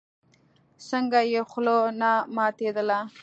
څنگه يې خوله نه ماتېدله.